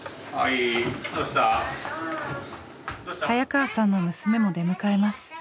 早川さんの娘も出迎えます。